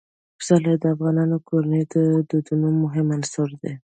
پسرلی د افغان کورنیو د دودونو مهم عنصر دی.